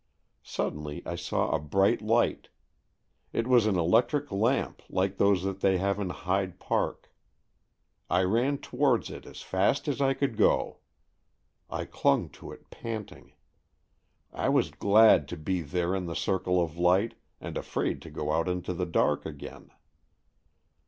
Suddenly I saw a bright light. It was an electric lamp like those that they have in Hyde Park. I ran towards it as fast as I could go. I clung to it panting. I was glad to be there in the circle of light, and afraid to go out into the dark again.